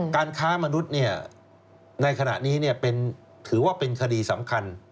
การค้ามนุษย์ในขณะนี้ถือว่าเป็นคดีสำคัญ